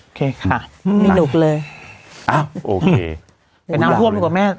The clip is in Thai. โอเคค่ะไม่หนุกเลยไปน้ำท่วมดีกว่าไหม